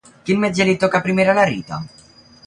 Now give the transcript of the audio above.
Quin metge li toca primer a la Rita?